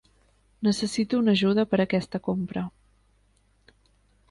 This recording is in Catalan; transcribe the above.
Necessito una ajuda per aquesta compra.